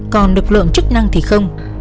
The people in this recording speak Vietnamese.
còn lực lượng chức năng thì không